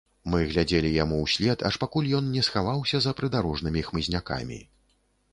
Мы глядзелі яму ўслед, аж пакуль ён не схаваўся за прыдарожнымі хмызнякамі.